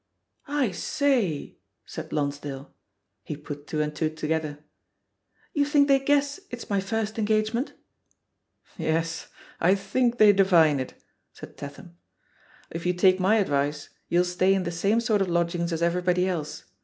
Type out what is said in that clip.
"I sayT said Lonsdale. He put two and two together. "You think they guess it's my fibrst engagement?" Yes, I think they divine it," said Tatham. If you take my advice, you'll stay in the same sort of lodgings as everybody else.